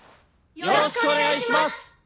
よろしくお願いします！